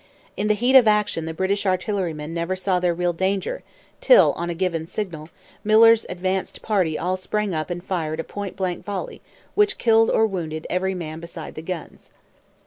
In the heat of action the British artillerymen never saw their real danger till, on a given signal, Miller's advanced party all sprang up and fired a point blank volley which killed or wounded every man beside the guns.